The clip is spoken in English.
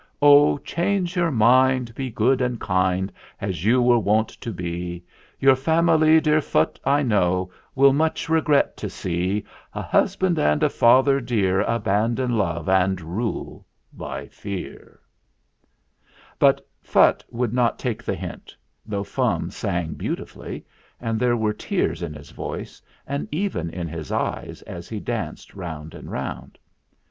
Oh, change your mind ; be good and kind As you were wont to be; Your family, dear Phutt, I know, Will much regret to see A husband and a father dear Abandon love and rule by fear." THE MAKING OF THE CHARM 35 But Phutt would not take the hint, though Fum sang beautifully, and there were tears in his voice and even in his eyes as he danced round and round.